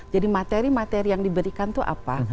jadi materi materi yang diberikan itu apa